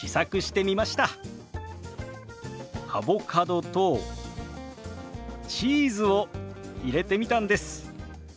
アボカドとチーズを入れてみたんです。